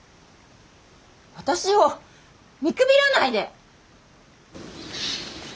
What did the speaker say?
私を見くびらないで！